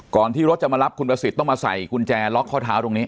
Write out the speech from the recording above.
ที่รถจะมารับคุณประสิทธิ์ต้องมาใส่กุญแจล็อกข้อเท้าตรงนี้